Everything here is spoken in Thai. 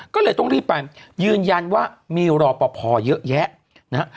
ก็เลยต้องรีบไปยืนยันว่ามีรอปภเยอะแยะนะฮะ